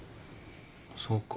そうか？